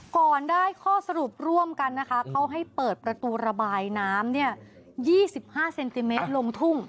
ก่อนได้ข้อสรุปร่วมกันนะคะเขาให้เปิดประตูระบายน้ำ๒๕เซนติเมตรลงทุ่ง